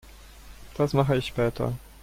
Das mache ich später.